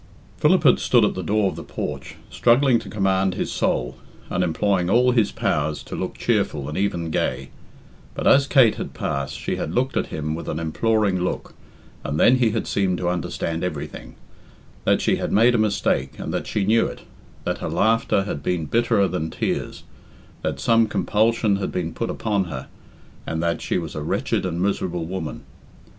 Philip had stood at the door of the porch, struggling to command his soul, and employing all his powers to look cheerful and even gay. But as Kate had passed she had looked at him with an imploring look, and then he had seemed to understand everything that she had made a mistake and that she knew it, that her laughter had been bitterer than tears, that some compulsion had been put upon her, and that she was a wretched and miserable woman.